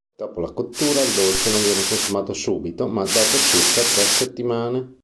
Dopo la cottura, il dolce non viene consumato subito, ma dopo circa tre settimane.